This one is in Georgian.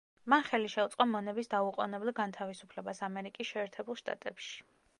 მან ხელი შეუწყო მონების „დაუყოვნებლივ განთავისუფლებას“ ამერიკის შეერთებულ შტატებში.